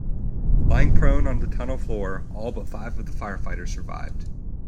Lying prone on the tunnel floor, all but five of the firefighters survived.